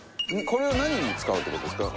これを何に使うって事ですか？